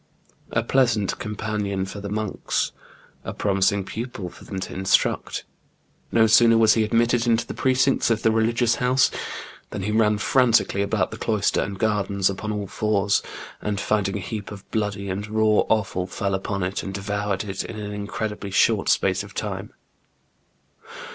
A pleasant companion for the monks ! a promising pupil for them to instruct ! No sooner was he admitted into the precincts of the religious house, than he ran frantically about the cloister and gardens upon all fours, and finding a heap of bloody and raw offal, fell upon it and devoured it in an incredibly short space of time.